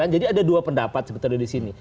jadi ada dua pendapat seperti ini